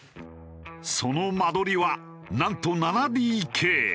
その間取りはなんと７ＤＫ。